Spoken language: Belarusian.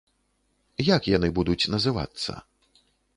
Як яны будуць называцца?